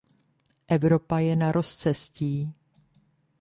Evropa je na rozcestí.